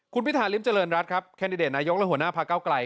คุณพิธาริมเจริญรัฐครับแคนดิเดตนายกและหัวหน้าพระเก้าไกล